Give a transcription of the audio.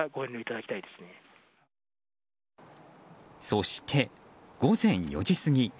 そして、午前４時過ぎ。